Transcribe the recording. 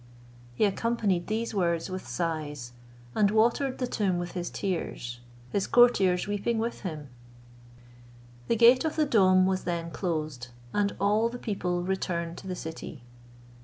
He accompanied these words with sighs, and watered the tomb with his tears; his courtiers weeping with him. The gate of the dome was then closed, and all the people returned to the city.